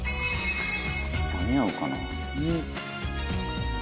「間に合うかな？」